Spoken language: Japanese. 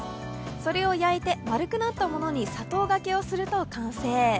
それを焼いて丸くなったものに砂糖がけをすると完成。